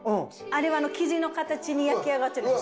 あれは生地の形に焼き上がってるんです。